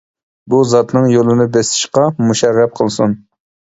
بۇ زاتنىڭ يولىنى بېسىشقا مۇشەررەپ قىلسۇن!